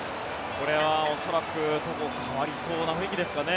これは恐らく戸郷代わりそうな雰囲気ですかね。